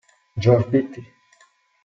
George Beattie